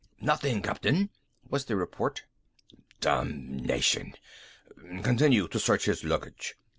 "Nothing, captain," was the report. "Damnation!... Continue to search his luggage.